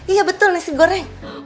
iya betul nasi goreng